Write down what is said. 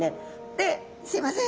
ですいません